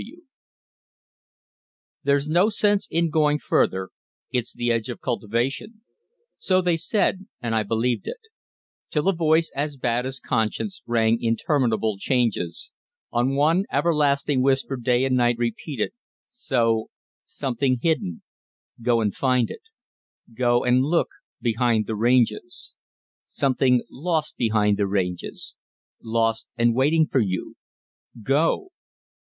D.W. "There's no sense in going further it's the edge of cultivation," So they said, and I believed it... Till a voice, as bad as Conscience, rang interminable changes On one everlasting Whisper day and night repeated so: "Something hidden. Go and find it. Go and look behind the Ranges Something lost behind the Ranges. Lost and waiting for you. Go!"